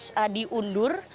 jadi kita harus diundur